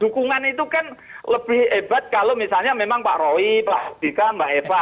dukungan itu kan lebih hebat kalau misalnya memang pak roy pak dika mbak eva